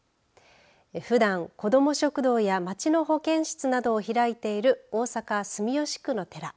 ふだん、子ども食堂やまちの保健室などを開いている大阪・住吉区の寺。